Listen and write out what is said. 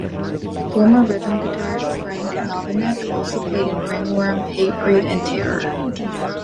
Former rhythm guitarist Frank Novinec also played in Ringworm, Hatebreed, and Terror.